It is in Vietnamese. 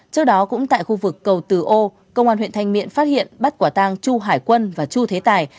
trước đó cũng tại khu vực cầu từ ô công an huyện thanh miện phát hiện bắt quả tang chu hải quân và chu thế tài